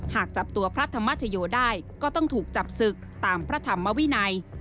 หากจับตัวพระธรรมชโยได้ก็ต้องถูกจับศึกตามพระธรรมวินัย